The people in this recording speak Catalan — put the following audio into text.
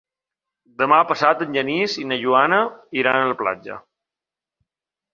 Demà passat en Genís i na Joana iran a la platja.